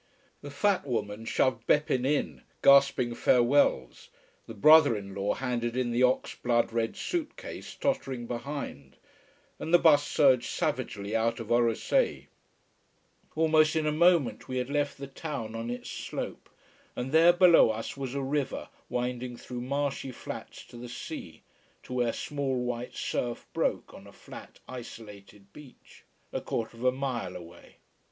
The fat woman shoved Beppin' in, gasping farewells, the brother in law handed in the ox blood red suit case, tottering behind, and the bus surged savagely out of Orosei. Almost in a moment we had left the town on its slope, and there below us was a river winding through marshy flats to the sea, to where small white surf broke on a flat, isolated beach, a quarter of a mile away.